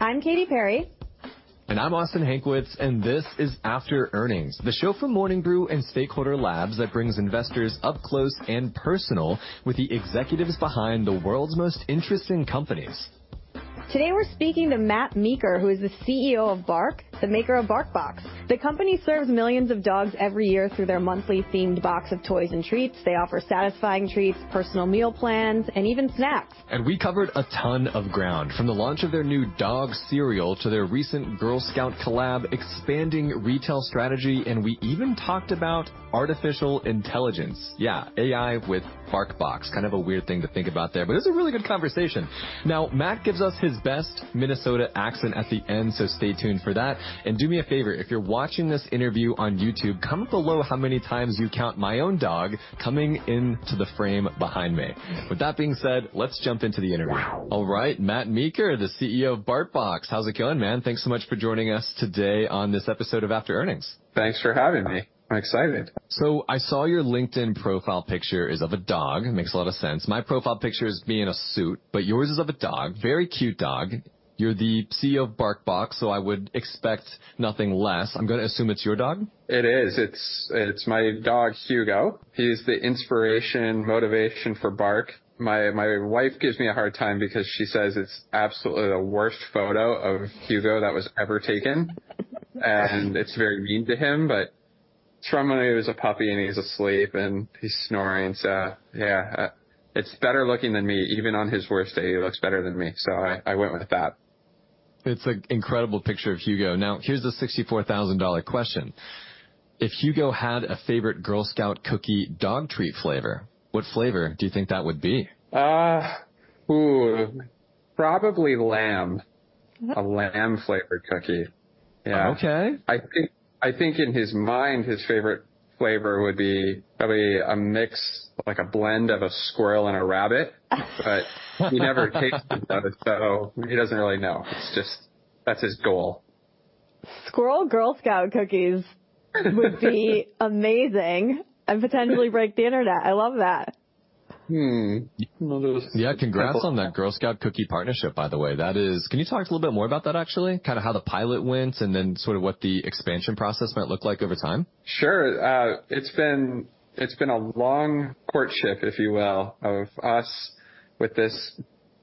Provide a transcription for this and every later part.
I'm Katie Perry. I'm Austin Hankwitz, and this is After Earnings, the show from Morning Brew and Stakeholder Labs that brings investors up close and personal with the executives behind the world's most interesting companies. Today we're speaking to Matt Meeker, who is the CEO of BARK, the maker of BarkBox. The company serves millions of dogs every year through their monthly themed box of toys and treats. They offer satisfying treats, personal meal plans, and even snacks. And we covered a ton of ground, from the launch of their new dog cereal to their recent Girl Scouts collab, expanding retail strategy, and we even talked about artificial intelligence. Yeah, AI with BarkBox, kind of a weird thing to think about there, but it was a really good conversation. Now, Matt gives us his best Minnesota accent at the end, so stay tuned for that. And do me a favor: if you're watching this interview on YouTube, comment below how many times you count my own dog coming into the frame behind me. With that being said, let's jump into the interview. Wow. All right, Matt Meeker, the CEO of BarkBox, how's it going, man? Thanks so much for joining us today on this episode of After Earnings. Thanks for having me. I'm excited. I saw your LinkedIn profile picture is of a dog. Makes a lot of sense. My profile picture is me in a suit, but yours is of a dog, very cute dog. You're the CEO of BarkBox, so I would expect nothing less. I'm gonna assume it's your dog? It is. It's my dog, Hugo. He's the inspiration, motivation for BARK. My wife gives me a hard time because she says it's absolutely the worst photo of Hugo that was ever taken. And it's very mean to him, but it's from when he was a puppy and he's asleep and he's snoring. So, yeah, it's better looking than me. Even on his worst day, he looks better than me, so I went with that. It's an incredible picture of Hugo. Now, here's the $64,000 question. If Hugo had a favorite Girl Scout cookie dog treat flavor, what flavor do you think that would be? Ooh, probably lamb. A lamb-flavored cookie. Yeah. Okay. I think, I think in his mind, his favorite flavor would be probably a mix, like a blend of a squirrel and a rabbit, but he never tastes them, so he doesn't really know. It's just that's his goal. Squirrel Girl Scout cookies would be amazing and potentially break the internet. I love that. Yeah, congrats on that Girl Scouts cookie partnership, by the way. That is, can you talk a little bit more about that, actually? Kind of how the pilot went and then sort of what the expansion process might look like over time? Sure. It's been, it's been a long courtship, if you will, of us with this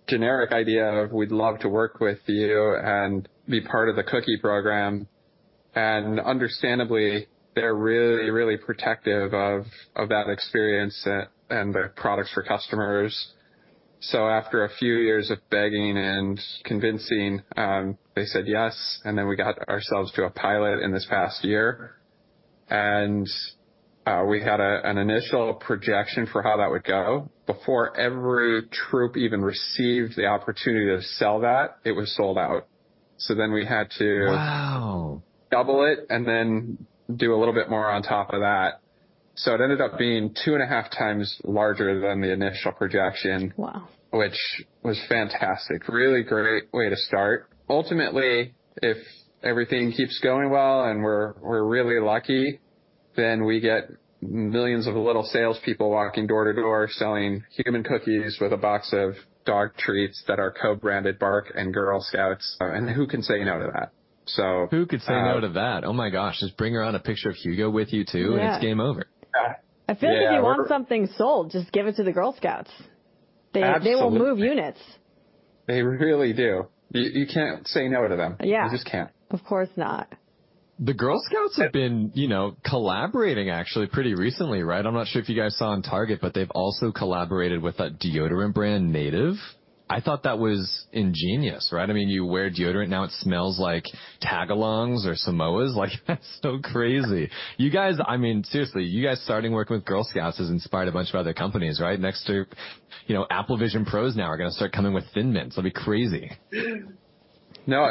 generic idea of we'd love to work with you and be part of the cookie program. And understandably, they're really, really protective of, of that experience and, and the products for customers. So after a few years of begging and convincing, they said yes, and then we got ourselves to a pilot in this past year. And, we had a, an initial projection for how that would go. Before every troop even received the opportunity to sell that, it was sold out. So then we had to. Wow. Double it and then do a little bit more on top of that. So it ended up being 2.5 times larger than the initial projection. Wow. Which was fantastic. Really great way to start. Ultimately, if everything keeps going well and we're really lucky, then we get millions of little salespeople walking door to door selling human cookies with a box of dog treats that are co-branded BARK and Girl Scouts. And who can say no to that, so. Who could say no to that? Oh my gosh, just bring around a picture of Hugo with you too, and it's game over. Yeah. I feel like if you want something sold, just give it to the Girl Scouts. They will move units. Absolutely. They really do. You can't say no to them. Yeah. You just can't. Of course not. The Girl Scouts have been, you know, collaborating actually pretty recently, right? I'm not sure if you guys saw on Target, but they've also collaborated with a deodorant brand, Native. I thought that was ingenious, right? I mean, you guys starting working with Girl Scouts has inspired a bunch of other companies, right? Next to, you know, Apple Vision Pros now are gonna start coming with Thin Mints. It'll be crazy. No,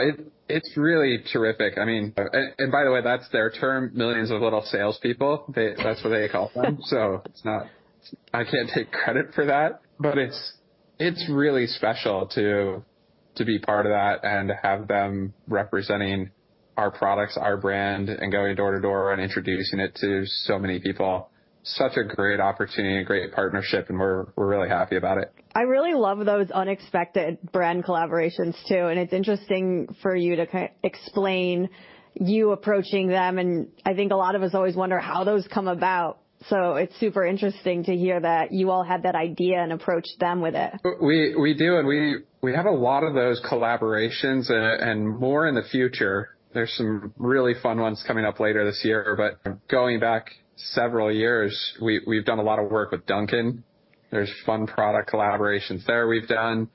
it's really terrific. I mean, and by the way, that's their term, millions of little salespeople. That's what they call them, so it's not, I can't take credit for that, but it's really special to be part of that and have them representing our products, our brand, and going door to door and introducing it to so many people. Such a great opportunity, a great partnership, and we're really happy about it. I really love those unexpected brand collaborations too. It's interesting for you to kind of explain your approaching them. I think a lot of us always wonder how those come about. It's super interesting to hear that you all had that idea and approached them with it. We do, and we have a lot of those collaborations, and more in the future. There's some really fun ones coming up later this year, but going back several years, we've done a lot of work with Dunkin'. There's fun product collaborations there we've done.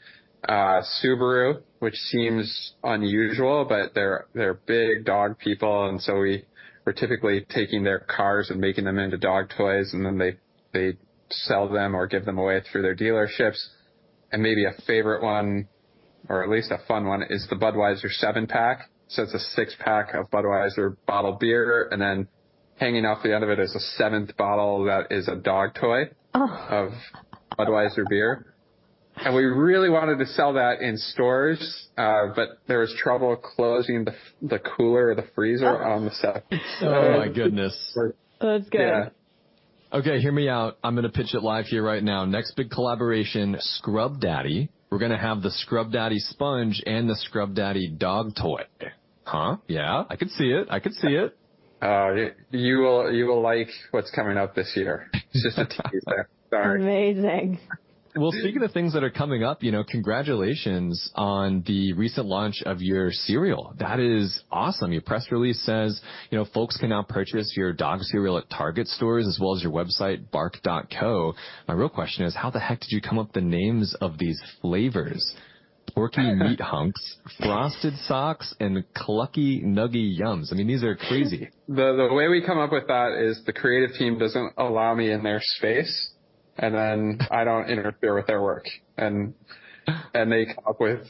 Subaru, which seems unusual, but they're big dog people, and so we were typically taking their cars and making them into dog toys, and then they sell them or give them away through their dealerships. And maybe a favorite one, or at least a fun one, is the Budweiser 7-Pack. So it's a 6-pack of Budweiser bottled beer, and then hanging off the end of it is a 7th bottle that is a dog toy. Oh. Of Budweiser beer. We really wanted to sell that in stores, but there was trouble closing the cooler or the freezer on the 7. Oh my goodness. That's good. Yeah. Okay, hear me out. I'm gonna pitch it live here right now. Next big collaboration, Scrub Daddy. We're gonna have the Scrub Daddy sponge and the Scrub Daddy dog toy. Huh? Yeah? I could see it. I could see it. You will, you will like what's coming up this year. It's just a teaser. Sorry. Amazing. Well, speaking of things that are coming up, you know, congratulations on the recent launch of your cereal. That is awesome. Your press release says, you know, folks can now purchase your dog cereal at Target stores as well as your website, bark.co. My real question is, how the heck did you come up with the names of these flavors? Porky Meat Hunks, Frosted Socks, and Clucky Nuggy Yums. I mean, these are crazy. The way we come up with that is the creative team doesn't allow me in their space, and then I don't interfere with their work. And they come up with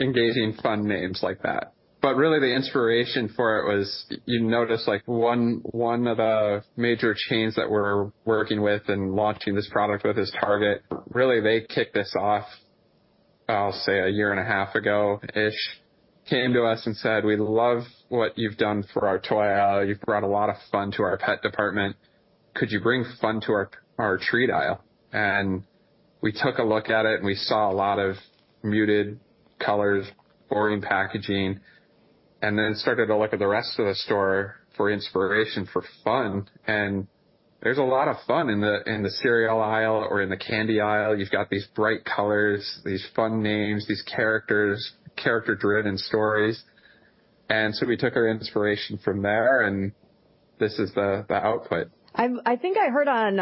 engaging, fun names like that. But really, the inspiration for it was you noticed, like, one of the major chains that we're working with and launching this product with is Target. Really, they kicked this off, I'll say, a year and a half ago-ish, came to us and said, "We love what you've done for our toy aisle. You've brought a lot of fun to our pet department. Could you bring fun to our treat aisle?" And we took a look at it, and we saw a lot of muted colors, boring packaging, and then started to look at the rest of the store for inspiration, for fun. There's a lot of fun in the cereal aisle or in the candy aisle. You've got these bright colors, these fun names, these characters, character-driven stories. So we took our inspiration from there, and this is the output. I think I heard on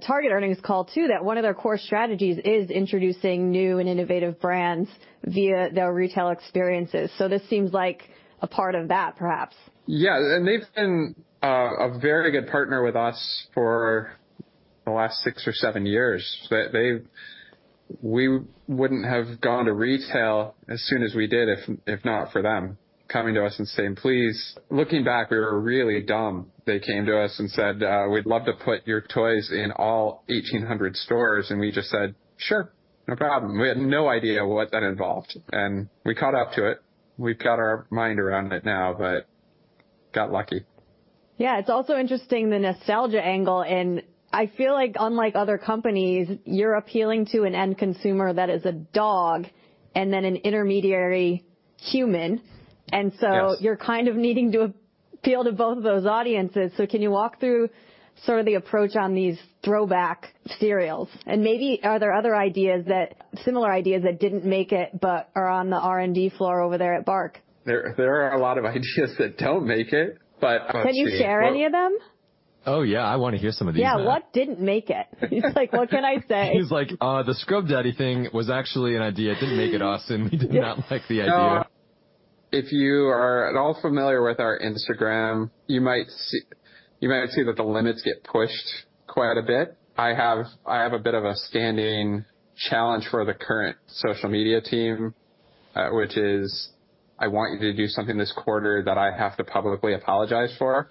Target earnings call too that one of their core strategies is introducing new and innovative brands via their retail experiences. So this seems like a part of that, perhaps. Yeah. And they've been a very good partner with us for the last six or seven years. We wouldn't have gone to retail as soon as we did if not for them coming to us and saying, "Please." Looking back, we were really dumb. They came to us and said, "We'd love to put your toys in all 1,800 stores." And we just said, "Sure. No problem." We had no idea what that involved, and we caught up to it. We've got our mind around it now, but got lucky. Yeah. It's also interesting, the nostalgia angle. And I feel like, unlike other companies, you're appealing to an end consumer that is a dog and then an intermediary human. And so you're kind of needing to appeal to both of those audiences. So can you walk through sort of the approach on these throwback cereals? And maybe are there other similar ideas that didn't make it but are on the R&D floor over there at BARK? There are a lot of ideas that don't make it, but. Can you share any of them? Oh, yeah. I wanna hear some of these now. Yeah. What didn't make it? He's like, "What can I say? He's like, the Scrub Daddy thing was actually an idea. It didn't make it awesome. We did not like the idea. If you are at all familiar with our Instagram, you might see that the limits get pushed quite a bit. I have a bit of a standing challenge for the current social media team, which is, "I want you to do something this quarter that I have to publicly apologize for."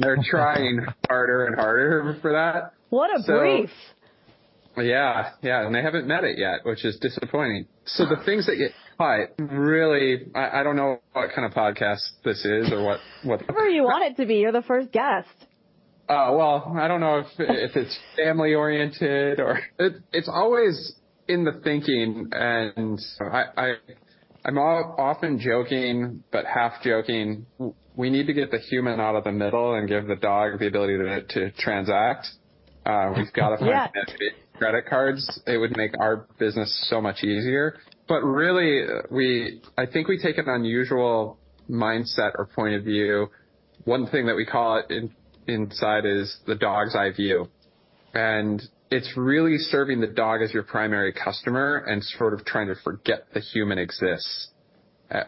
They're trying harder and harder for that. What a brief. So, yeah. Yeah. And they haven't met it yet, which is disappointing. The things that get caught really, I don't know what kind of podcast this is or what. Whatever you want it to be. You're the first guest. Oh, well, I don't know if it's family-oriented or it's always in the thinking. And I'm often joking, but half-joking, we need to get the human out of the middle and give the dog the ability to transact. We've got to find. Yeah. Credit cards. It would make our business so much easier. But really, I think we take an unusual mindset or point of view. One thing that we call it inside is the dog's eye view. And it's really serving the dog as your primary customer and sort of trying to forget the human exists,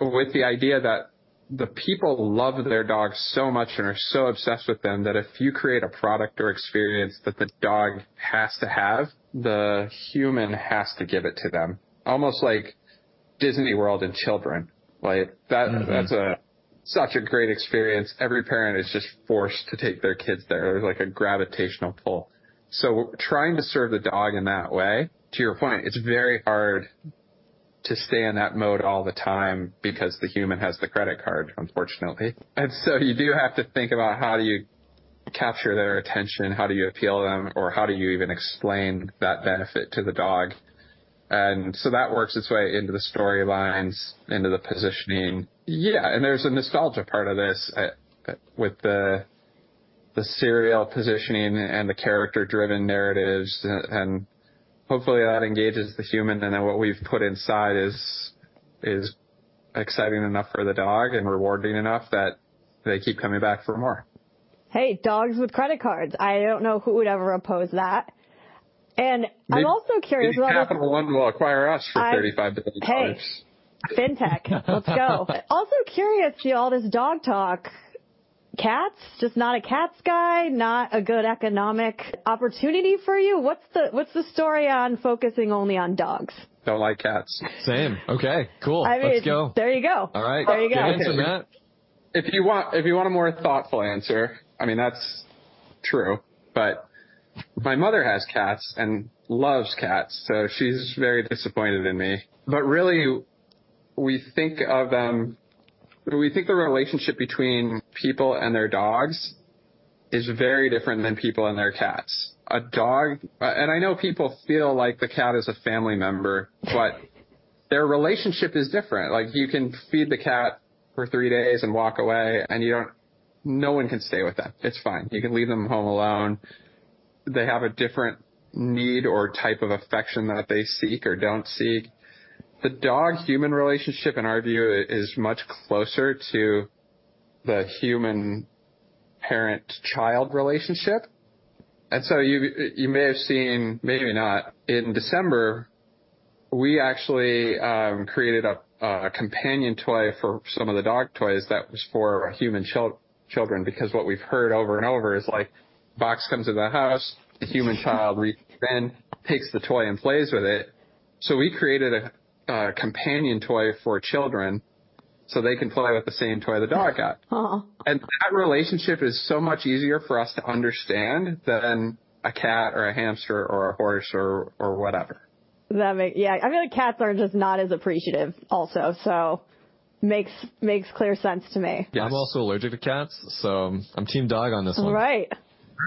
with the idea that the people love their dogs so much and are so obsessed with them that if you create a product or experience that the dog has to have, the human has to give it to them. Almost like Disney World and children, right? That, that's such a great experience. Every parent is just forced to take their kids there. There's like a gravitational pull. So trying to serve the dog in that way, to your point, it's very hard to stay in that mode all the time because the human has the credit card, unfortunately. And so you do have to think about how do you capture their attention? How do you appeal them? Or how do you even explain that benefit to the dog? And so that works its way into the storylines, into the positioning. Yeah. And there's a nostalgia part of this, with the, the cereal positioning and the character-driven narratives. And hopefully, that engages the human, and then what we've put inside is, is exciting enough for the dog and rewarding enough that they keep coming back for more. Hey, dogs with credit cards. I don't know who would ever oppose that. I'm also curious what else. Capital One will acquire us for $35 billion. Hey. Fintech. Let's go. Also curious to hear all this dog talk. Cats? Just not a cat guy? Not a good economic opportunity for you? What's the story on focusing only on dogs? Don't like cats. Same. Okay. Cool. Let's go. I mean, there you go. All right. There you go. Get into that. If you want if you want a more thoughtful answer, I mean, that's true. But my mother has cats and loves cats, so she's very disappointed in me. But really, we think of them we think the relationship between people and their dogs is very different than people and their cats. A dog and I know people feel like the cat is a family member, but their relationship is different. Like, you can feed the cat for three days and walk away, and you don't no one can stay with them. It's fine. You can leave them home alone. They have a different need or type of affection that they seek or don't seek. The dog-human relationship, in our view, is much closer to the human-parent-child relationship. And so you, you may have seen maybe not. In December, we actually created a companion toy for some of the dog toys that was for human children. Because what we've heard over and over is, like, Box comes into the house, the human child reaches in, takes the toy, and plays with it. So we created a companion toy for children so they can play with the same toy the dog got. Aww. That relationship is so much easier for us to understand than a cat or a hamster or a horse or whatever. That makes yeah. I feel like cats are just not as appreciative also, so makes clear sense to me. Yes. I'm also allergic to cats, so I'm team dog on this one. All right.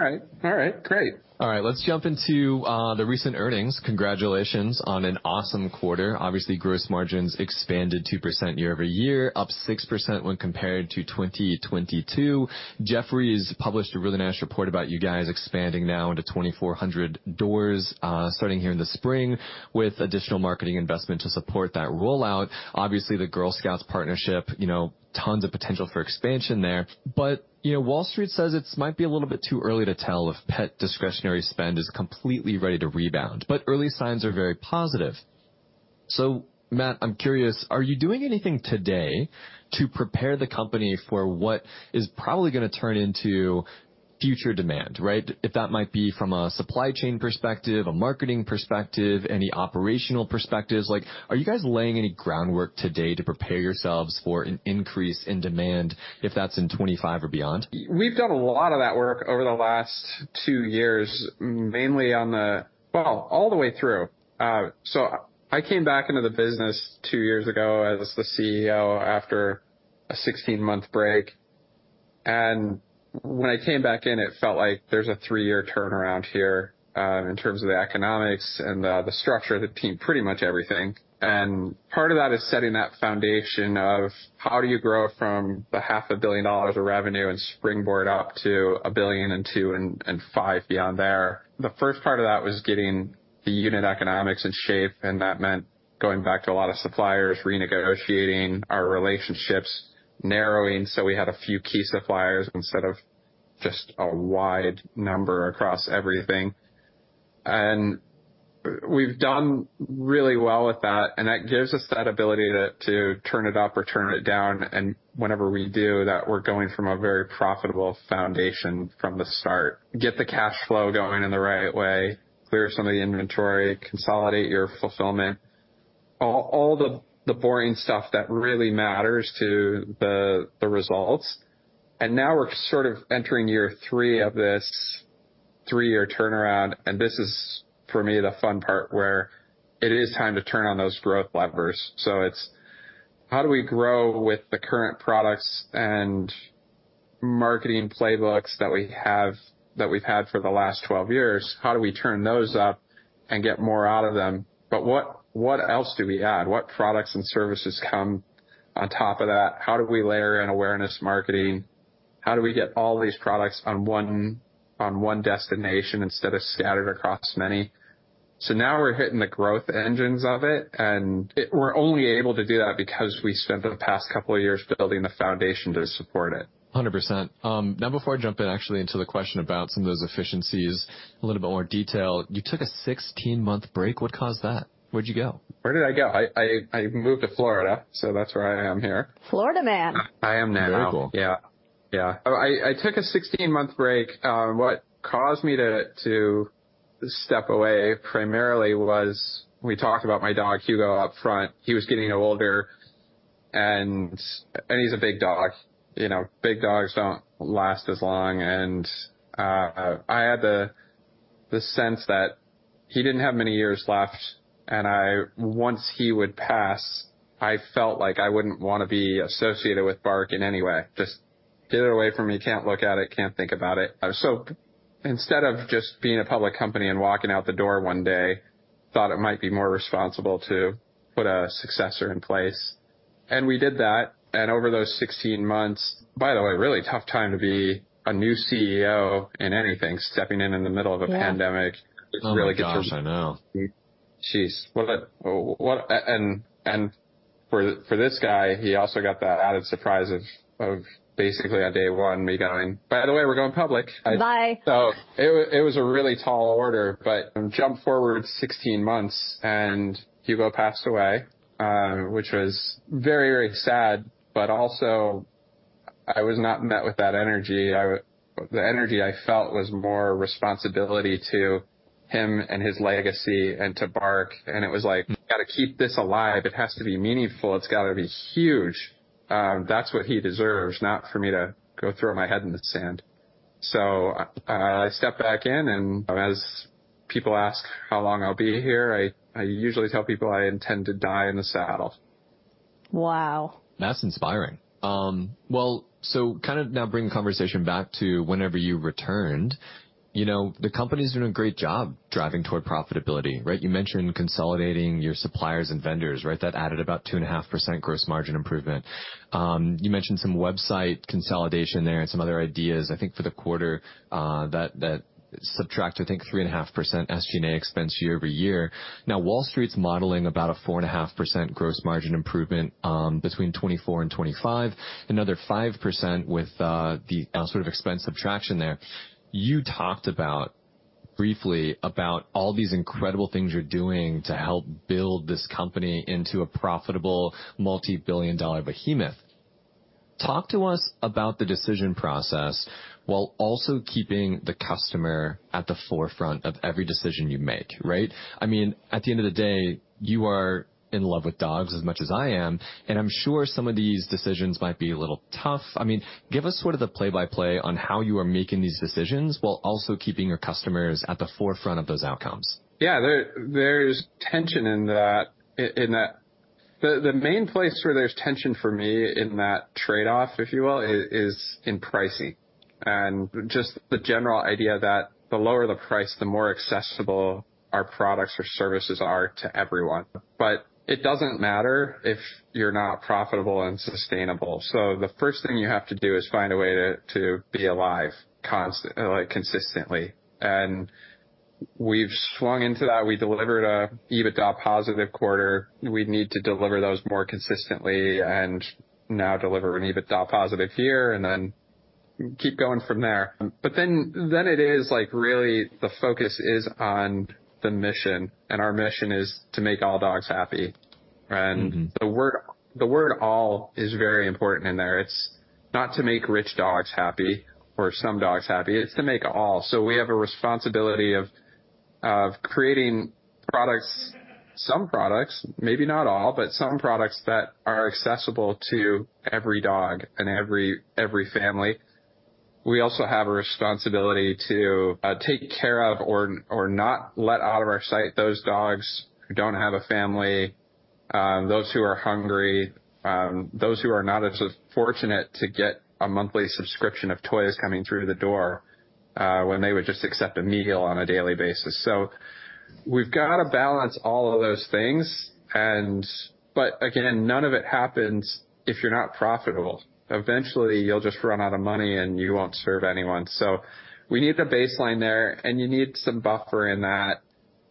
All right. All right. Great. All right. Let's jump into the recent earnings. Congratulations on an awesome quarter. Obviously, gross margins expanded 2% year-over-year, up 6% when compared to 2022. Jefferies published a really nice report about you guys expanding now into 2,400 doors, starting here in the spring with additional marketing investment to support that rollout. Obviously, the Girl Scouts partnership, you know, tons of potential for expansion there. But, you know, Wall Street says it might be a little bit too early to tell if pet discretionary spend is completely ready to rebound, but early signs are very positive. So, Matt, I'm curious, are you doing anything today to prepare the company for what is probably gonna turn into future demand, right? If that might be from a supply chain perspective, a marketing perspective, any operational perspectives. Like, are you guys laying any groundwork today to prepare yourselves for an increase in demand if that's in 2025 or beyond? We've done a lot of that work over the last 2 years, mainly on the, well, all the way through. I came back into the business 2 years ago as the CEO after a 16-month break. When I came back in, it felt like there's a 3-year turnaround here, in terms of the economics and the, the structure of the team, pretty much everything. Part of that is setting that foundation of how do you grow from the $500 million of revenue and springboard up to $1 billion and $2 billion and $5 billion beyond there? The first part of that was getting the unit economics in shape, and that meant going back to a lot of suppliers, renegotiating our relationships, narrowing so we had a few key suppliers instead of just a wide number across everything. We've done really well with that, and that gives us that ability to, to turn it up or turn it down. Whenever we do that, we're going from a very profitable foundation from the start, get the cash flow going in the right way, clear some of the inventory, consolidate your fulfillment, all, all the, the boring stuff that really matters to the, the results. Now we're sort of entering year three of this three-year turnaround. This is, for me, the fun part where it is time to turn on those growth levers. It's how do we grow with the current products and marketing playbooks that we have that we've had for the last 12 years? How do we turn those up and get more out of them? But what, what else do we add? What products and services come on top of that? How do we layer in awareness marketing? How do we get all these products on one, on one destination instead of scattered across many? So now we're hitting the growth engines of it, and we're only able to do that because we spent the past couple of years building the foundation to support it. 100%. Now, before I jump in, actually, into the question about some of those efficiencies, a little bit more detail, you took a 16-month break. What caused that? Where'd you go? Where did I go? I moved to Florida, so that's where I am here. Florida man. I am now. Very cool. Yeah. Yeah. I took a 16-month break. What caused me to step away primarily was we talked about my dog, Hugo, up front. He was getting older, and he's a big dog. You know, big dogs don't last as long. And I had the sense that he didn't have many years left. And once he would pass, I felt like I wouldn't wanna be associated with BARK in any way. Just get it away from me. Can't look at it. Can't think about it. So instead of just being a public company and walking out the door one day, thought it might be more responsible to put a successor in place. And we did that. And over those 16 months by the way, really tough time to be a new CEO in anything, stepping in in the middle of a pandemic. It's really gets. Oh, gosh. I know. Jeez. What a and for this guy, he also got that added surprise of basically, on day one, me going, "By the way, we're going public. Bye. So it was a really tall order, but jump forward 16 months, and Hugo passed away, which was very, very sad. But also, I was not met with that energy. I, the energy I felt, was more responsibility to him and his legacy and to BARK. And it was like, "You gotta keep this alive. It has to be meaningful. It's gotta be huge. That's what he deserves, not for me to go throw my head in the sand." So I stepped back in. And as people ask how long I'll be here, I usually tell people I intend to die in the saddle. Wow. That's inspiring. Well, so kinda now bring the conversation back to whenever you returned. You know, the company's doing a great job driving toward profitability, right? You mentioned consolidating your suppliers and vendors, right? That added about 2.5% gross margin improvement. You mentioned some website consolidation there and some other ideas, I think, for the quarter, that subtract, I think, 3.5% SG&A expense year-over-year. Now, Wall Street's modeling about a 4.5% gross margin improvement, between 2024 and 2025, another 5% with, the, sort of expense subtraction there. You talked about briefly about all these incredible things you're doing to help build this company into a profitable multi-billion-dollar behemoth. Talk to us about the decision process while also keeping the customer at the forefront of every decision you make, right? I mean, at the end of the day, you are in love with dogs as much as I am. I'm sure some of these decisions might be a little tough. I mean, give us sort of the play-by-play on how you are making these decisions while also keeping your customers at the forefront of those outcomes? Yeah. There's tension in that the main place where there's tension for me in that trade-off, if you will, is in pricing and just the general idea that the lower the price, the more accessible our products or services are to everyone. But it doesn't matter if you're not profitable and sustainable. So the first thing you have to do is find a way to be alive consistently. And we've swung into that. We delivered an EBITDA positive quarter. We need to deliver those more consistently and now deliver an EBITDA positive here and then keep going from there. But then it is, like, really the focus is on the mission. And our mission is to make all dogs happy. And the word all is very important in there. It's not to make rich dogs happy or some dogs happy. It's to make all. So we have a responsibility of creating products, some products, maybe not all, but some products that are accessible to every dog and every family. We also have a responsibility to take care of or not let out of our sight those dogs who don't have a family, those who are hungry, those who are not as fortunate to get a monthly subscription of toys coming through the door, when they would just accept a meal on a daily basis. So we've gotta balance all of those things. But again, none of it happens if you're not profitable. Eventually, you'll just run out of money, and you won't serve anyone. So we need the baseline there, and you need some buffer in that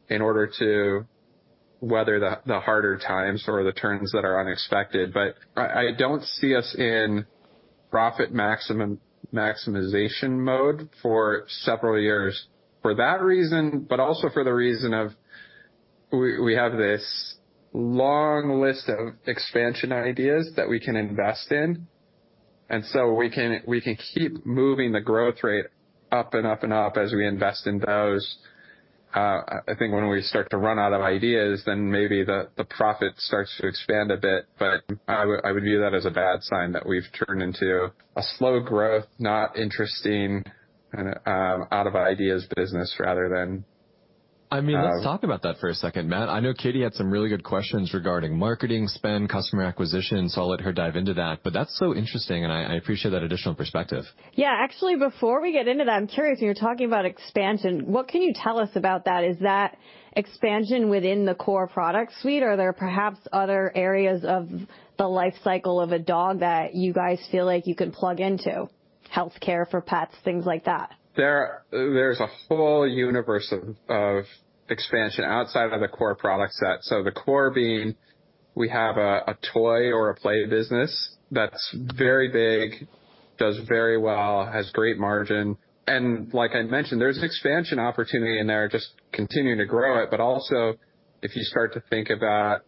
in order to weather the harder times or the turns that are unexpected. But I, I don't see us in profit maximum maximization mode for several years for that reason, but also for the reason of we, we have this long list of expansion ideas that we can invest in. So we can we can keep moving the growth rate up and up and up as we invest in those. I think when we start to run out of ideas, then maybe the, the profit starts to expand a bit. But I would I would view that as a bad sign that we've turned into a slow growth, not interesting, out-of-ideas business rather than. I mean, let's talk about that for a second, Matt. I know Katie had some really good questions regarding marketing spend, customer acquisition, so I'll let her dive into that. But that's so interesting, and I appreciate that additional perspective. Yeah. Actually, before we get into that, I'm curious. When you're talking about expansion, what can you tell us about that? Is that expansion within the core product suite, or are there perhaps other areas of the life cycle of a dog that you guys feel like you can plug into? Healthcare for pets, things like that. There's a whole universe of expansion outside of the core product set. So the core being, we have a toy or a play business that's very big, does very well, has great margin. And like I mentioned, there's an expansion opportunity in there just continuing to grow it. But also, if you start to think about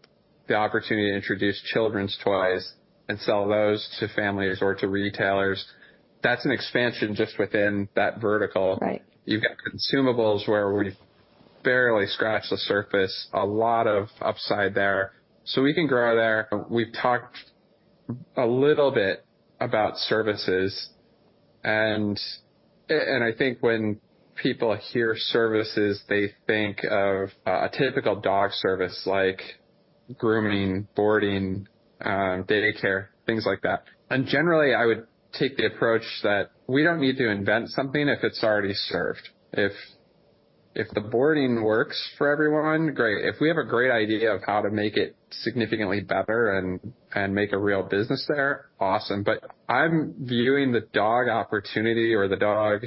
the opportunity to introduce children's toys and sell those to families or to retailers, that's an expansion just within that vertical. Right. You've got consumables where we've barely scratched the surface, a lot of upside there. So we can grow there. We've talked a little bit about services. And, and I think when people hear services, they think of a typical dog service like grooming, boarding, daycare, things like that. And generally, I would take the approach that we don't need to invent something if it's already served. If, if the boarding works for everyone, great. If we have a great idea of how to make it significantly better and, and make a real business there, awesome. But I'm viewing the dog opportunity or the dog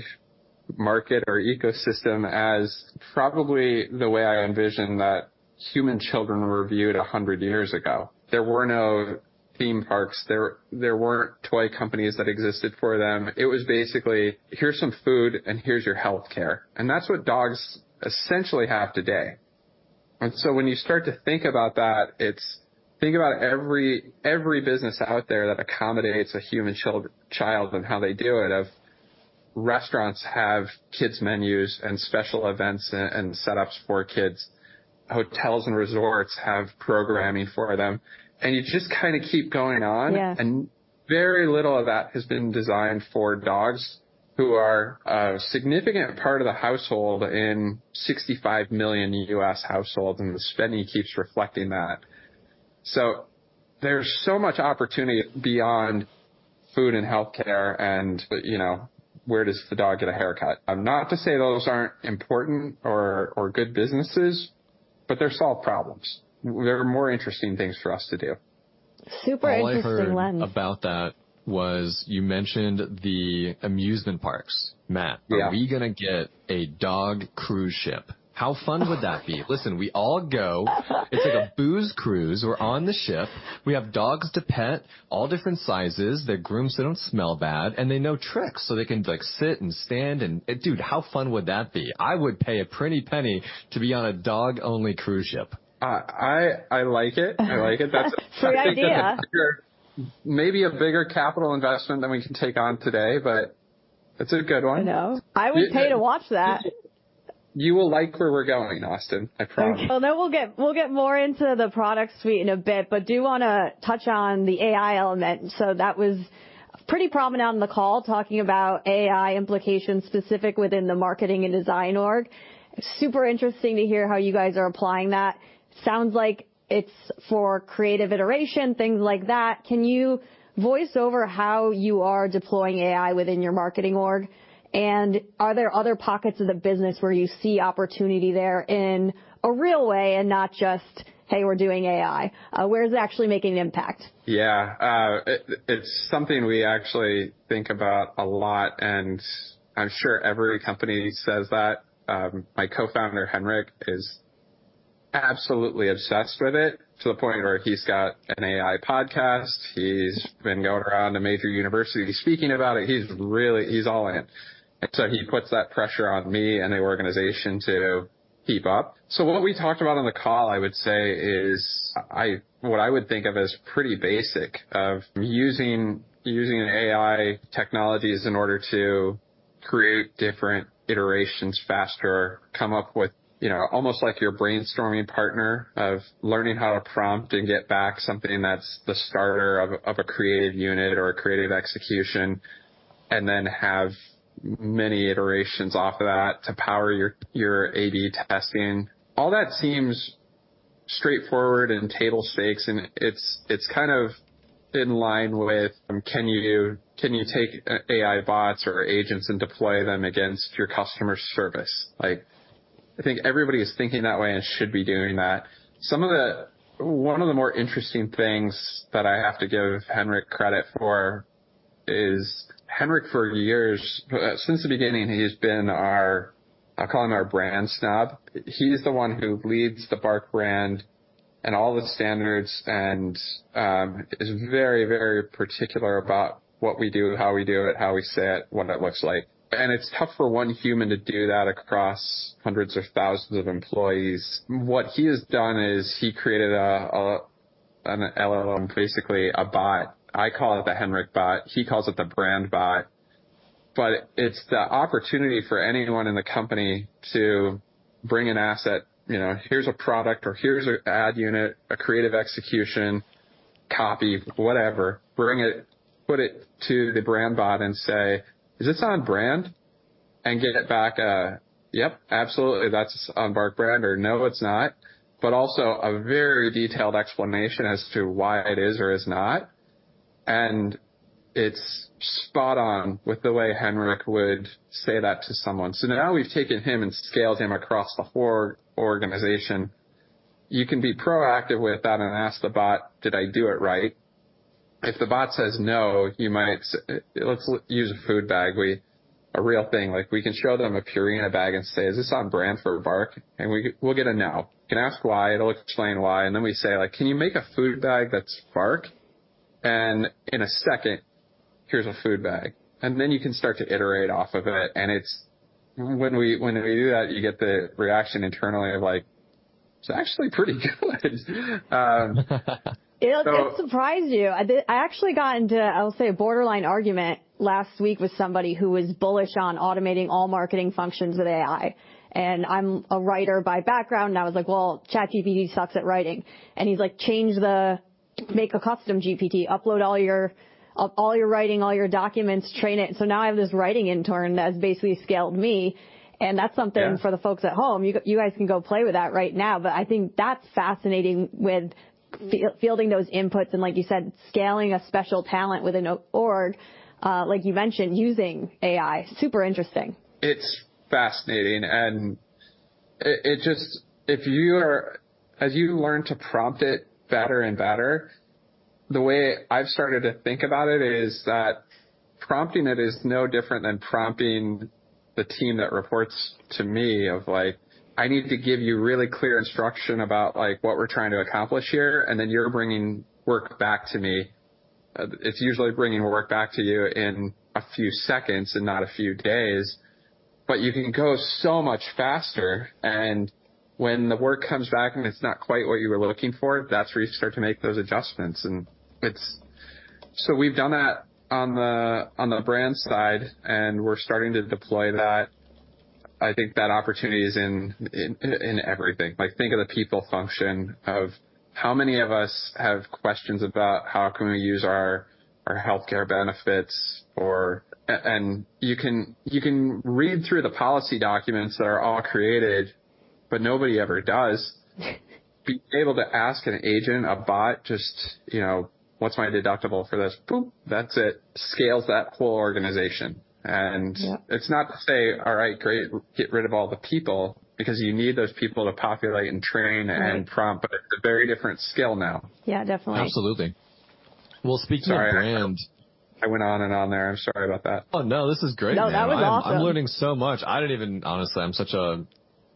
market or ecosystem as probably the way I envision that human children were viewed 100 years ago. There were no theme parks. There, there weren't toy companies that existed for them. It was basically, "Here's some food, and here's your healthcare." And that's what dogs essentially have today. And so when you start to think about that, it's think about every business out there that accommodates a human child and how they do it of restaurants have kids' menus and special events and setups for kids, hotels and resorts have programming for them. And you just kinda keep going on. Yeah. Very little of that has been designed for dogs who are a significant part of the household in 65 million U.S. households. The spending keeps reflecting that. There's so much opportunity beyond food and healthcare and, you know, where does the dog get a haircut? Not to say those aren't important or good businesses, but they solve problems. They're more interesting things for us to do. Super interesting lens. My whole point about that was you mentioned the amusement parks, Matt. Are we gonna get a dog cruise ship? How fun would that be? Listen, we all go. It's like a booze cruise. We're on the ship. We have dogs to pet, all different sizes. They're groomed. They don't smell bad. And they know tricks, so they can, like, sit and stand and dude, how fun would that be? I would pay a pretty penny to be on a dog-only cruise ship. I like it. I like it. That's a great idea. Maybe a bigger capital investment than we can take on today, but it's a good one. I know. I would pay to watch that. You will like where we're going, Austin. I promise. Well, no. We'll get more into the product suite in a bit, but do wanna touch on the AI element. So that was pretty prominent on the call talking about AI implications specific within the marketing and design org. Super interesting to hear how you guys are applying that. Sounds like it's for creative iteration, things like that. Can you voice over how you are deploying AI within your marketing org? And are there other pockets of the business where you see opportunity there in a real way and not just, "Hey, we're doing AI"? Where's it actually making an impact? Yeah. It's something we actually think about a lot. And I'm sure every company says that. My co-founder, Henrik, is absolutely obsessed with it to the point where he's got an AI podcast. He's been going around to major universities speaking about it. He's really all in. And so he puts that pressure on me and the organization to keep up. So what we talked about on the call, I would say, is what I would think of as pretty basic of using AI technologies in order to create different iterations faster, come up with, you know, almost like your brainstorming partner of learning how to prompt and get back something that's the starter of a creative unit or a creative execution, and then have many iterations off of that to power your A/B testing. All that seems straightforward and table stakes. And it's kind of in line with, "Can you take AI bots or agents and deploy them against your customer service?" Like, I think everybody is thinking that way and should be doing that. Some of the more interesting things that I have to give Henrik credit for is Henrik, for years since the beginning, he's been our, I'll call him, our brand snob. He's the one who leads the BARK brand and all the standards and is very, very particular about what we do, how we do it, how we say it, what it looks like. And it's tough for one human to do that across hundreds or thousands of employees. What he has done is he created an LLM, basically a bot. I call it the Henrik bot. He calls it the brand bot. But it's the opportunity for anyone in the company to bring an asset, you know, "Here's a product," or, "Here's an ad unit, a creative execution, copy, whatever. Bring it, put it to the brand bot and say, 'Is this on brand?' and get back a, 'Yep, absolutely. That's on BARK brand,' or, 'No, it's not,' but also a very detailed explanation as to why it is or is not. And it's spot on with the way Henrik would say that to someone. So now we've taken him and scaled him across the whole organization. You can be proactive with that and ask the bot, "Did I do it right?" If the bot says no, you might; let's use a food bag. It's a real thing. Like, we can show them a Purina bag and say, "Is this on brand for BARK?" And we'll get a no. You can ask why. It'll explain why. And then we say, like, "Can you make a food bag that's BARK?" And in a second, "Here's a food bag." And then you can start to iterate off of it. And it's when we do that, you get the reaction internally of, like, "It's actually pretty good. It'll surprise you. I actually got into, I'll say, a borderline argument last week with somebody who was bullish on automating all marketing functions with AI. And I'm a writer by background. And I was like, "Well, ChatGPT sucks at writing." And he's like, "Change the make a custom GPT. Upload all your writing, all your documents. Train it." And so now I have this writing intern that has basically scaled me. And that's something for the folks at home. You guys can go play with that right now. But I think that's fascinating with fielding those inputs and, like you said, scaling a special talent within a org, like you mentioned, using AI. Super interesting. It's fascinating. And it just if you are as you learn to prompt it better and better, the way I've started to think about it is that prompting it is no different than prompting the team that reports to me of, like, "I need to give you really clear instruction about, like, what we're trying to accomplish here, and then you're bringing work back to me." It's usually bringing work back to you in a few seconds and not a few days. But you can go so much faster. And when the work comes back and it's not quite what you were looking for, that's where you start to make those adjustments. And it's so we've done that on the brand side, and we're starting to deploy that. I think that opportunity is in everything. Like, think of the people function of how many of us have questions about how we can use our healthcare benefits, and you can read through the policy documents that are all created, but nobody ever does. Being able to ask an agent, a bot, just, you know, "What's my deductible for this?" Boom. That's it. Scales that whole organization. And it's not to say, "All right. Great. Get rid of all the people," because you need those people to populate and train and prompt. But it's a very different skill now. Yeah. Definitely. Absolutely. We'll speak to your brand. Sorry. I went on and on there. I'm sorry about that. Oh, no. This is great, Matt. No, that was awesome. I'm learning so much. I don't even honestly, I'm such a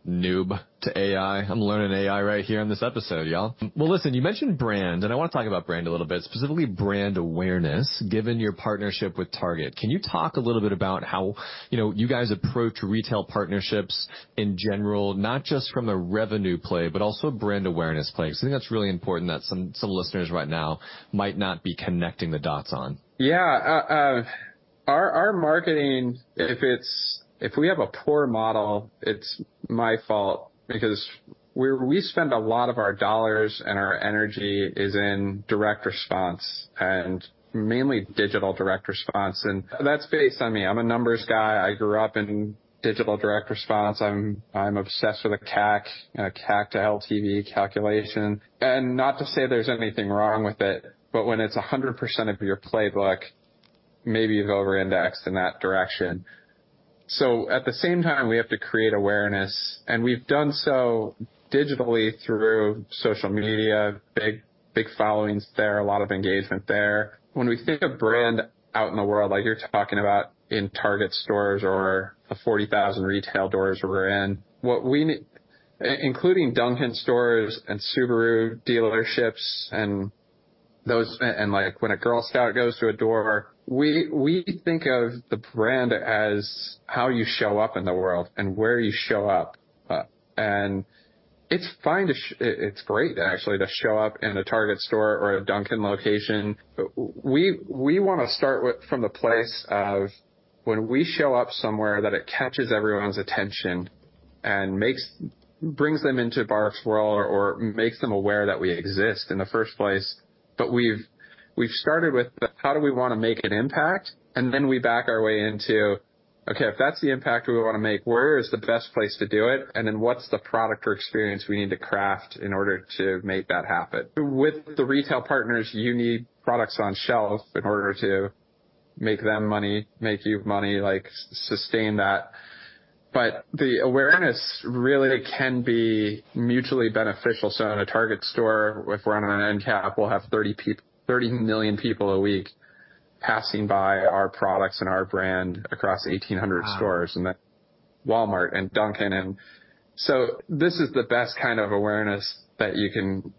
noob to AI. I'm learning AI right here in this episode, y'all. Well, listen, you mentioned brand, and I wanna talk about brand a little bit, specifically brand awareness given your partnership with Target. Can you talk a little bit about how, you know, you guys approach retail partnerships in general, not just from a revenue play, but also brand awareness play? 'Cause I think that's really important that some listeners right now might not be connecting the dots on. Yeah. Our marketing, if we have a poor model, it's my fault because we spend a lot of our dollars and our energy in direct response and mainly digital direct response. And that's based on me. I'm a numbers guy. I grew up in digital direct response. I'm obsessed with a CAC, a CAC to LTV calculation. And not to say there's anything wrong with it, but when it's 100% of your playbook, maybe you've over-indexed in that direction. So at the same time, we have to create awareness. And we've done so digitally through social media, big followings there, a lot of engagement there. When we think of brand out in the world, like you're talking about in Target stores or the 40,000 retail doors we're in, what we need, including Dunkin' stores and Subaru dealerships and those, and, like, when a Girl Scout goes to a door, we think of the brand as how you show up in the world and where you show up. And it's fine. It's great, actually, to show up in a Target store or a Dunkin' location. We wanna start with from the place of when we show up somewhere that it catches everyone's attention and brings them into BARK's world or, or makes them aware that we exist in the first place. But we've started with, "How do we wanna make an impact?" And then we back our way into, "Okay. If that's the impact we wanna make, where is the best place to do it? And then what's the product or experience we need to craft in order to make that happen?" With the retail partners, you need products on shelf in order to make them money, make you money, like, sustain that. But the awareness really can be mutually beneficial. So in a Target store, if we're on an end cap, we'll have 30 million people a week passing by our products and our brand across 1,800 stores and then Walmart and Dunkin'. And so this is the best kind of awareness that you can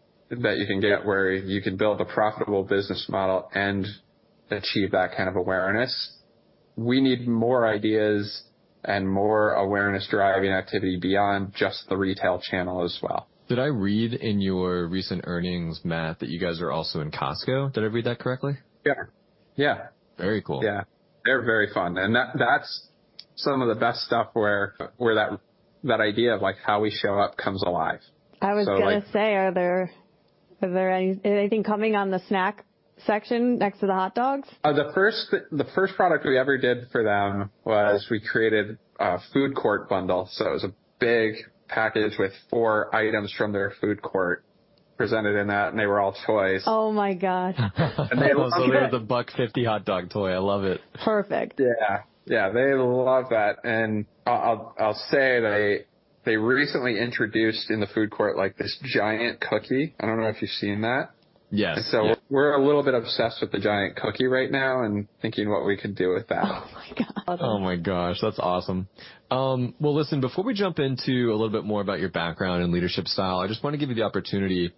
get where you can build a profitable business model and achieve that kind of awareness. We need more ideas and more awareness-driving activity beyond just the retail channel as well. Did I read in your recent earnings, Matt, that you guys are also in Costco? Did I read that correctly? Yeah. Yeah. Very cool. Yeah. They're very fun. And that's some of the best stuff where that idea of, like, how we show up comes alive. I was gonna say, are there any anything coming on the snack section next to the hot dogs? The first product we ever did for them was we created a Food Court Bundle. So it was a big package with four items from their food court presented in that. And they were all toys. Oh my God! They love it. It was a little of the $1.50 hot dog toy. I love it. Perfect. Yeah. Yeah. They love that. And I'll say that they recently introduced in the food court, like, this giant cookie. I don't know if you've seen that. Yes. We're a little bit obsessed with the giant cookie right now and thinking what we can do with that. Oh my God! Oh my gosh. That's awesome. Well, listen, before we jump into a little bit more about your background and leadership style, I just wanna give you the opportunity.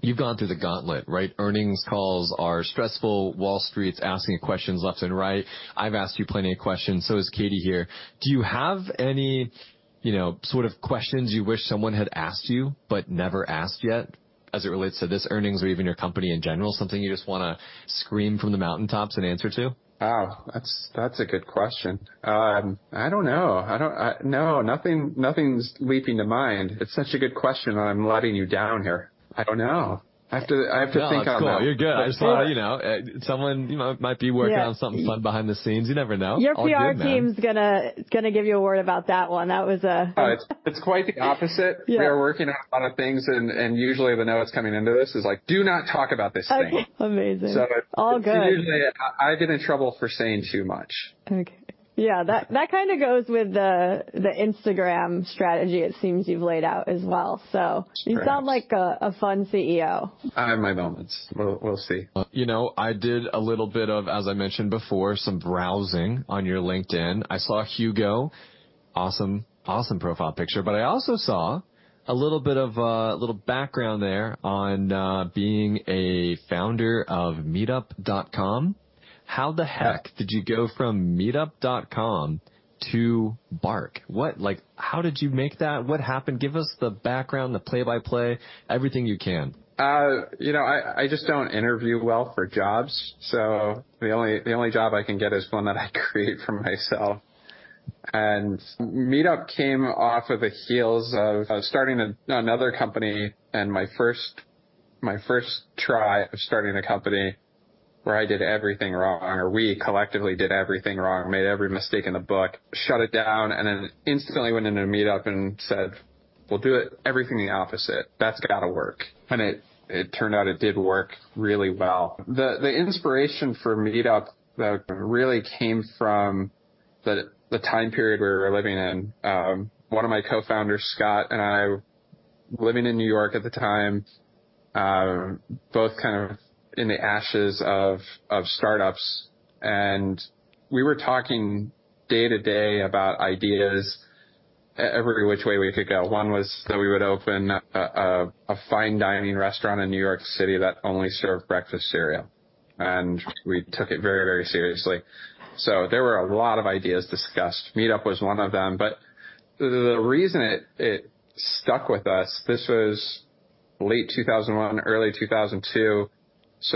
You've gone through the gauntlet, right? Earnings calls are stressful. Wall Street's asking you questions left and right. I've asked you plenty of questions. So is Katie here. Do you have any, you know, sort of questions you wish someone had asked you but never asked yet as it relates to this earnings or even your company in general, something you just wanna scream from the mountaintops and answer to? Oh. That's, that's a good question. I don't know. I don't, I no. Nothing, nothing's leaping to mind. It's such a good question, and I'm letting you down here. I don't know. I have to, I have to think on that. No, it's cool. You're good. I saw, you know, someone, you know, might be working on something fun behind the scenes. You never know. Your PR team's gonna give you a word about that one. That was a. Oh, it's, it's quite the opposite. Yeah. We are working on a lot of things. And usually, the note that's coming into this is like, "Do not talk about this thing. Amazing. All good. It's usually, I get in trouble for saying too much. Okay. Yeah. That kinda goes with the Instagram strategy it seems you've laid out as well. So you sound like a fun CEO. I have my moments. We'll see. You know, I did a little bit of, as I mentioned before, some browsing on your LinkedIn. I saw Hugo. Awesome, awesome profile picture. But I also saw a little bit of, a little background there on, being a founder of Meetup.com. How the heck did you go from Meetup.com to BARK? What like, how did you make that? What happened? Give us the background, the play-by-play, everything you can. You know, I, I just don't interview well for jobs. So the only, the only job I can get is one that I create for myself. And Meetup came off of the heels of starting another company and my first, my first try of starting a company where I did everything wrong or we collectively did everything wrong, made every mistake in the book, shut it down, and then instantly went into Meetup and said, "We'll do it everything the opposite. That's gotta work." And it, it turned out it did work really well. The, the inspiration for Meetup, though, really came from the, the time period we were living in. One of my co-founders, Scott, and I, living in New York at the time, both kind of in the ashes of, of startups. And we were talking day to day about ideas every which way we could go. One was that we would open a fine dining restaurant in New York City that only served breakfast cereal. We took it very, very seriously. There were a lot of ideas discussed. Meetup was one of them. The reason it stuck with us, this was late 2001, early 2002.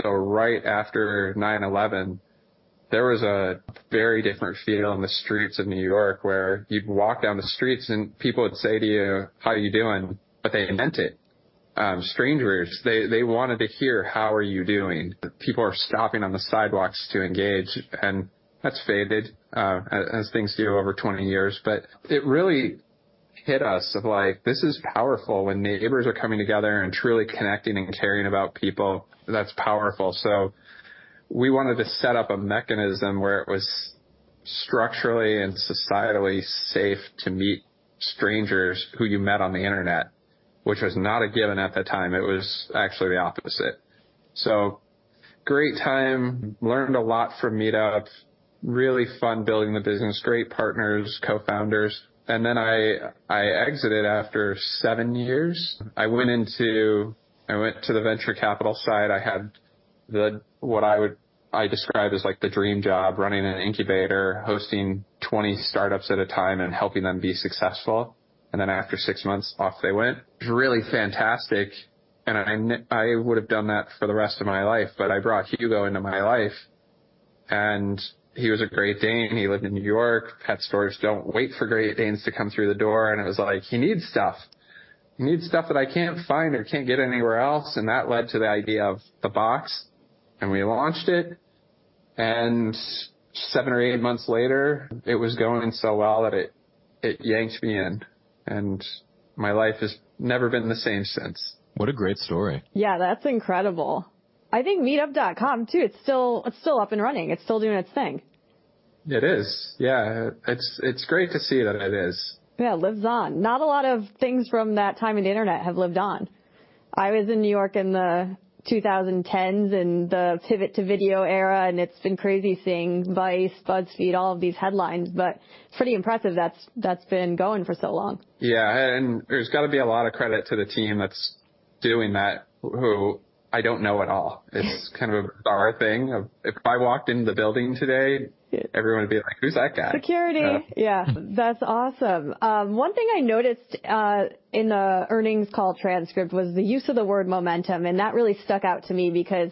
Right after 9/11, there was a very different feel in the streets of New York where you'd walk down the streets, and people would say to you, "How are you doing?" but they meant it. Strangers, they wanted to hear, "How are you doing?" People are stopping on the sidewalks to engage. That's faded, as things do over 20 years. It really hit us of, like, this is powerful when neighbors are coming together and truly connecting and caring about people. That's powerful. So we wanted to set up a mechanism where it was structurally and societally safe to meet strangers who you met on the internet, which was not a given at the time. It was actually the opposite. So great time. Learned a lot from Meetup. Really fun building the business. Great partners, co-founders. And then I exited after 7 years. I went to the venture capital side. I had what I would describe as, like, the dream job, running an incubator, hosting 20 startups at a time and helping them be successful. And then after 6 months, off they went. It was really fantastic. And I knew I would have done that for the rest of my life. But I brought Hugo into my life. And he was a Great Dane. He lived in New York. Pet stores don't wait for Great Danes to come through the door. And it was like, "He needs stuff. He needs stuff that I can't find or can't get anywhere else." And that led to the idea of The Box. And we launched it. And 7 or 8 months later, it was going so well that it yanked me in. And my life has never been the same since. What a great story. Yeah. That's incredible. I think Meetup.com, too, it's still up and running. It's still doing its thing. It is. Yeah. It's great to see that it is. Yeah. Lives on. Not a lot of things from that time in the internet have lived on. I was in New York in the 2010s in the pivot to video era. And it's been crazy seeing Vice, BuzzFeed, all of these headlines. But it's pretty impressive that that's been going for so long. Yeah. And there's gotta be a lot of credit to the team that's doing that who I don't know at all. It's kind of a bizarre thing of if I walked into the building today, everyone would be like, "Who's that guy? Security. Yeah. That's awesome. One thing I noticed, in the earnings call transcript, was the use of the word momentum. And that really stuck out to me because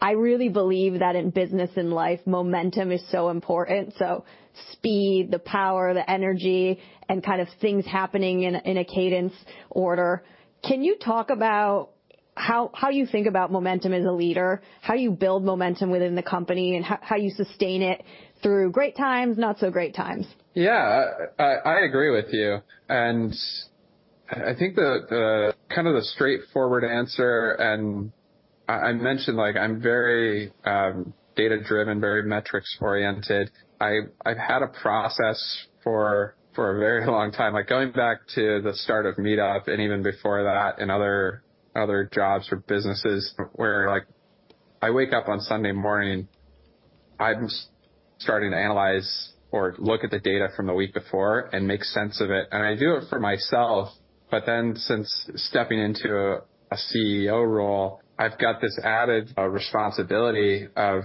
I really believe that in business and life, momentum is so important. So speed, the power, the energy, and kind of things happening in a in a cadence order. Can you talk about how, how you think about momentum as a leader, how you build momentum within the company, and how, how you sustain it through great times, not-so-great times? Yeah. I agree with you. And I think the kind of straightforward answer, and I mentioned, like, I'm very data-driven, very metrics-oriented. I've had a process for a very long time, like, going back to the start of Meetup and even before that in other jobs or businesses where, like, I wake up on Sunday morning. I'm starting to analyze or look at the data from the week before and make sense of it. And I do it for myself. But then since stepping into a CEO role, I've got this added responsibility of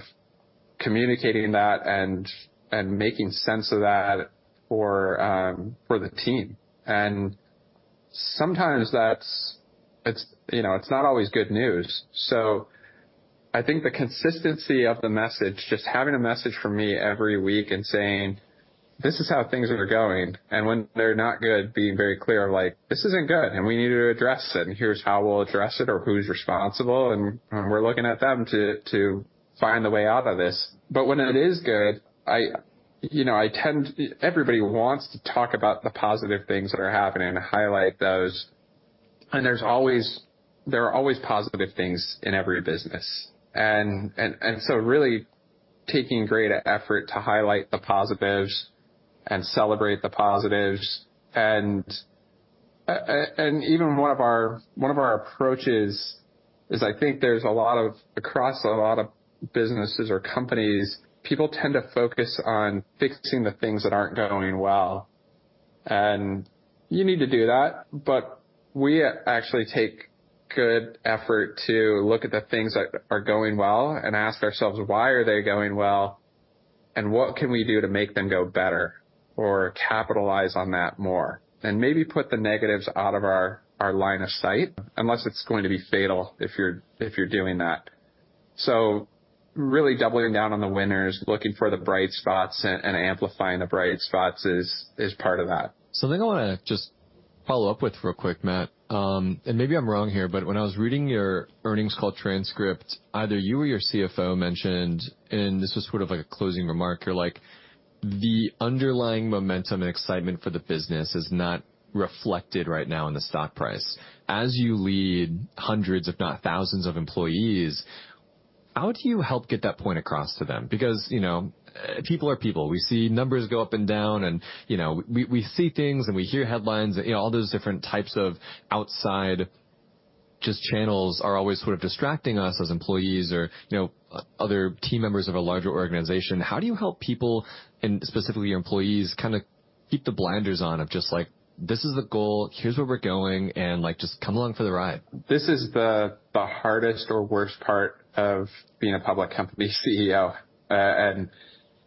communicating that and making sense of that for the team. And sometimes that's, you know, it's not always good news. So I think the consistency of the message, just having a message for me every week and saying, "This is how things are going," and when they're not good, being very clear of, like, "This isn't good, and we need to address it. And here's how we'll address it or who's responsible. And, and we're looking at them to, to find the way out of this." But when it is good, I, you know, I tend everybody wants to talk about the positive things that are happening and highlight those. And there's always positive things in every business. And, and, and so really taking great effort to highlight the positives and celebrate the positives. And even one of our approaches is I think there's a lot of across a lot of businesses or companies, people tend to focus on fixing the things that aren't going well. And you need to do that. But we actually take good effort to look at the things that are going well and ask ourselves, "Why are they going well? And what can we do to make them go better or capitalize on that more?" and maybe put the negatives out of our our line of sight unless it's going to be fatal if you're doing that. So really doubling down on the winners, looking for the bright spots and amplifying the bright spots is part of that. Something I wanna just follow up with real quick, Matt, and maybe I'm wrong here, but when I was reading your earnings call transcript, either you or your CFO mentioned - and this was sort of, like, a closing remark - you're like, "The underlying momentum and excitement for the business is not reflected right now in the stock price." As you lead hundreds, if not thousands, of employees, how do you help get that point across to them? Because, you know, people are people. We see numbers go up and down. And, you know, we see things, and we hear headlines. And, you know, all those different types of outside just channels are always sort of distracting us as employees or, you know, other team members of a larger organization. How do you help people and specifically your employees kinda keep the blinders on of just, like, "This is the goal. Here's where we're going. And, like, just come along for the ride"? This is the hardest or worst part of being a public company CEO.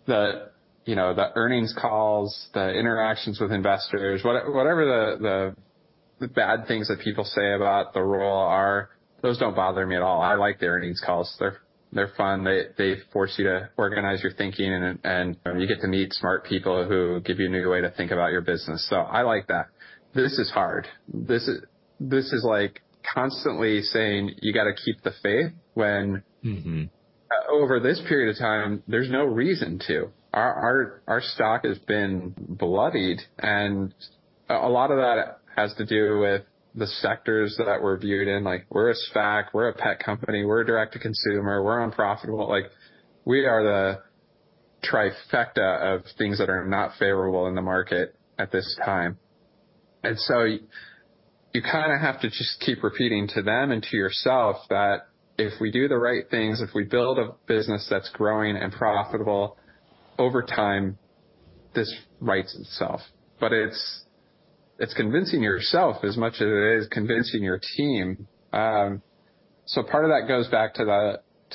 And the, you know, the earnings calls, the interactions with investors, whatever the bad things that people say about the role are, those don't bother me at all. I like the earnings calls. They're fun. They force you to organize your thinking. And you get to meet smart people who give you a new way to think about your business. So I like that. This is hard. This is, like, constantly saying, "You gotta keep the faith," when. Mm-hmm. Over this period of time, there's no reason to. Our stock has been bloodied. And a lot of that has to do with the sectors that we're viewed in. Like, we're a SPAC. We're a pet company. We're a direct-to-consumer. We're unprofitable. Like, we are the trifecta of things that are not favorable in the market at this time. And so you kinda have to just keep repeating to them and to yourself that if we do the right things, if we build a business that's growing and profitable, over time, this rights itself. But it's convincing yourself as much as it is convincing your team. So part of that goes back to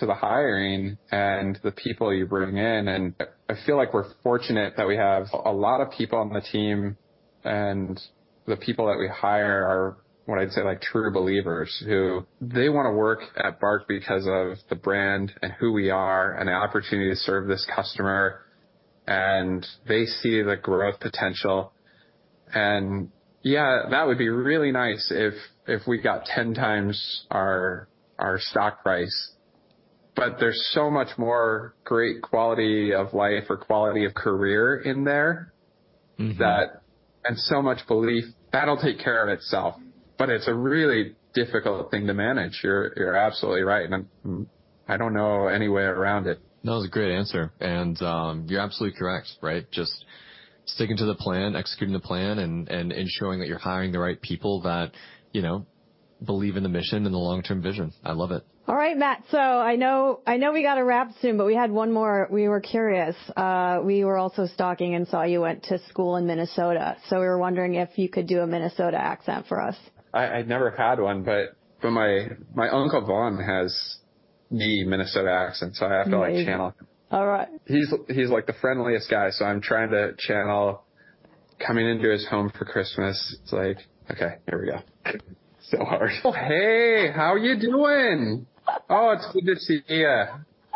the hiring and the people you bring in. And I feel like we're fortunate that we have a lot of people on the team. The people that we hire are what I'd say, like, true believers who they wanna work at BARK because of the brand and who we are and the opportunity to serve this customer. They see the growth potential. Yeah, that would be really nice if we got 10 times our stock price. But there's so much more great quality of life or quality of career in there. Mm-hmm. That, and so much belief. That'll take care of itself. But it's a really difficult thing to manage. You're, you're absolutely right. And I'm, I don't know any way around it. That was a great answer. You're absolutely correct, right, just sticking to the plan, executing the plan, and ensuring that you're hiring the right people that, you know, believe in the mission and the long-term vision. I love it. All right, Matt. So I know I know we gotta wrap soon, but we had one more. We were curious. We were also stalking and saw you went to school in Minnesota. So we were wondering if you could do a Minnesota accent for us. I never had one. But my uncle Vaughn has a Minnesota accent. So I have to, like, channel him. Amazing. All right. He's like the friendliest guy. So I'm trying to channel coming into his home for Christmas. It's like, "Okay. Here we go." So hard. Oh, hey. How are you doing? Oh, it's good to see you.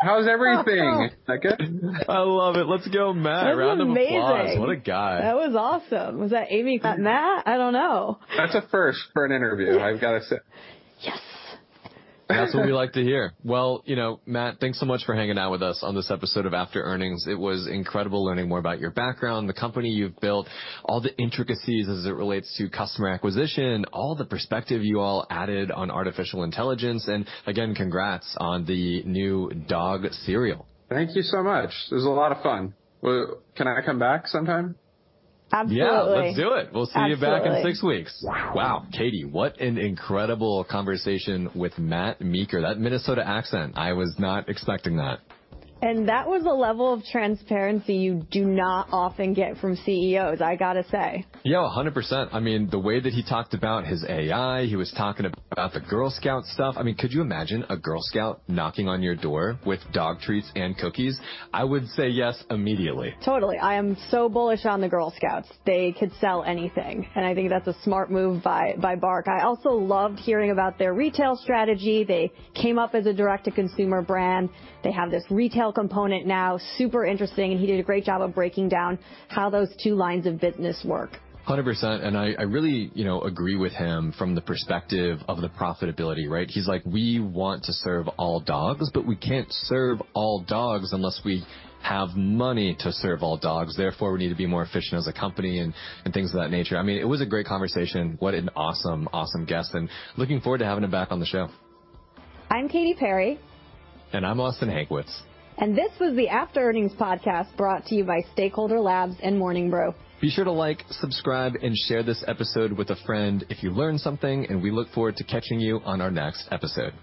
How's everything? Is that good? I love it. Let's go, Matt, round of applause. That was amazing. What a guy. That was awesome. Was that Amy? Matt? I don't know. That's a first for an interview. I've gotta say. Yes. That's what we like to hear. Well, you know, Matt, thanks so much for hanging out with us on this episode of After Earnings. It was incredible learning more about your background, the company you've built, all the intricacies as it relates to customer acquisition, all the perspective you all added on artificial intelligence. And again, congrats on the new dog cereal. Thank you so much. It was a lot of fun. Well, can I come back sometime? Absolutely. Yeah. Let's do it. We'll see you back in six weeks. Absolutely. Wow, Katie, what an incredible conversation with Matt Meeker, that Minnesota accent. I was not expecting that. That was a level of transparency you do not often get from CEOs, I gotta say. Yeah. 100%. I mean, the way that he talked about his AI, he was talking about the Girl Scouts stuff. I mean, could you imagine a Girl Scout knocking on your door with dog treats and cookies? I would say yes immediately. Totally. I am so bullish on the Girl Scouts. They could sell anything. And I think that's a smart move by BARK. I also loved hearing about their retail strategy. They came up as a direct-to-consumer brand. They have this retail component now, super interesting. And he did a great job of breaking down how those two lines of business work. 100%. And I really, you know, agree with him from the perspective of the profitability, right? He's like, "We want to serve all dogs, but we can't serve all dogs unless we have money to serve all dogs. Therefore, we need to be more efficient as a company," and things of that nature. I mean, it was a great conversation. What an awesome, awesome guest. And looking forward to having him back on the show. I'm Katie Perry. I'm Austin Hankwitz. This was the After Earnings Podcast brought to you by Stakeholder Labs and Morning Brew. Be sure to like, subscribe, and share this episode with a friend if you learn something. And we look forward to catching you on our next episode.